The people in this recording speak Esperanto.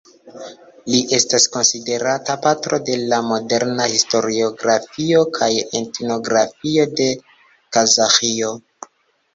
Li estas konsiderata patro de la moderna historiografio kaj etnografio de Kazaĥio.